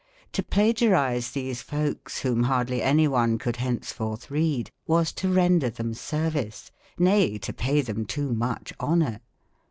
To plagiarise these folks whom hardly anyone could henceforth read, was to render them service, nay, to pay them too much honour.